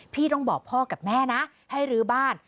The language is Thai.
พี่ต้องบอกพ่อกับแม่นะให้รื้อบ้าน